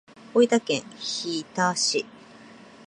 大分県日田市